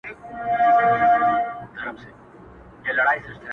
یو لړ ښه فکرونه پنځوي